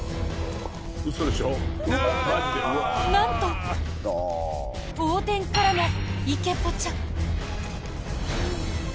なんと、横転からの池ポチャ。